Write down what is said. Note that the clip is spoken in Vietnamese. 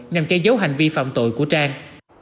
nhằm che giấu hành vi phạm tội của trang